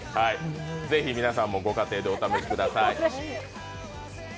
ぜひ皆さんもご家庭でお試しください。